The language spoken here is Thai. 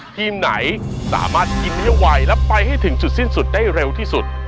ทีมไหนสามารถกินให้ไวและไปให้ถึงจุดสิ้นสุดได้เร็วที่สุด